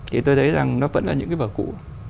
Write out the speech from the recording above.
thì tôi thấy rằng nó vẫn là những cái vở cũ